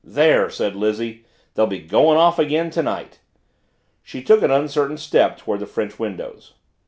"There!" said Lizzie. "They'll be going off again to night." She took an uncertain step toward the French windows.